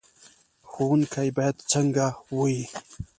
ښوونکی باید څنګه وي؟